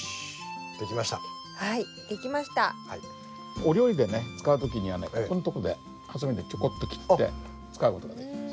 お料理でね使う時にはねここんとこでハサミでチョコッと切って使う事ができます。